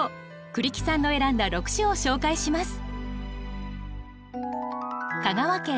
栗木さんの選んだ６首を紹介します。